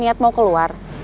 niat mau keluar